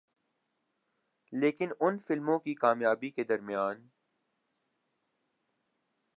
لیکن ان فلموں کی کامیابی کے درمیان